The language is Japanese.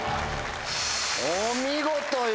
お見事よ